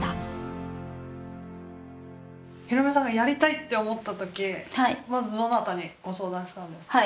浩美さんがやりたいって思った時まずどなたにご相談したんですか？